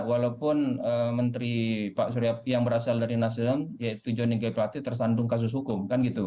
walaupun menteri pak surya yang berasal dari nasdem yaitu joni g klati tersandung kasus hukum